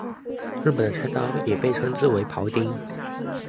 日本的菜刀也被称之为庖丁。